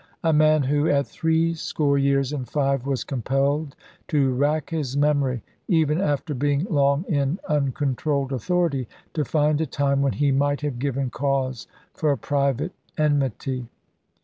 A man who, at threescore years and five, was compelled to rack his memory (even after being long in uncontrolled authority) to find a time when he might have given cause for private enmity!